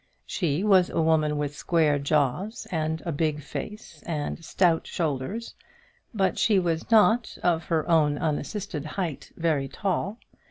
She was a woman with square jaws, and a big face, and stout shoulders: but she was not, of her own unassisted height, very tall.